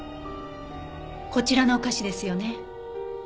こちらのお菓子ですよね？